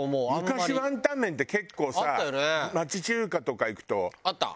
昔ワンタン麺って結構さ町中華とか行くと普通にあったよね